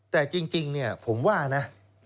แต่จริงผมว่านะ